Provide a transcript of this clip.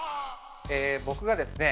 僕がですね